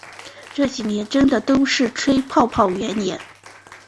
近几年真的都是吹泡泡元年